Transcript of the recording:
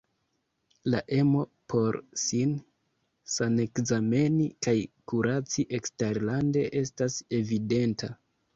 La emo por sin sanekzameni kaj kuraci eksterlande estas evidenta.